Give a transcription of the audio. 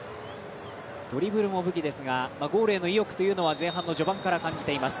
ドリブルも武器ですがゴールへの意欲というのは前半の序盤から感じています。